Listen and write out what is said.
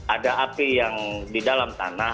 ada api yang di dalam tanah